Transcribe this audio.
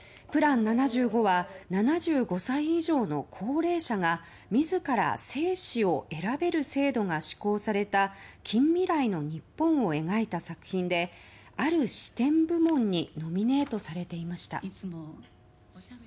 「ＰＬＡＮ７５」は７５歳以上の高齢者が自ら生死を選べる制度が施行された近未来の日本を描いた作品である視点部門にノミネートされていました。